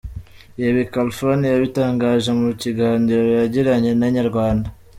Ibi Khalfan yabitangaje mu kiganiro yagiranye na Inyarwanda.